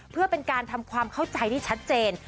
เพื่อเป็นการทำความเข้าใจที่ชัดเจน